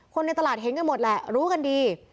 ในตลาดเห็นกันหมดแหละรู้กันดี